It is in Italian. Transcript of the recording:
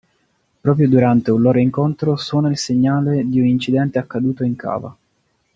Proprio durante un loro incontro suona il segnale di un incidente accaduto in cava.